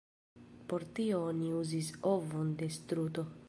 Por tio oni uzis ovon de struto.